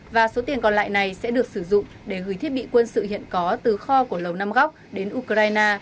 và số tiền còn lại này sẽ được sử dụng để gửi thiết bị quân sự hiện có từ kho của lầu nam góc đến ukraine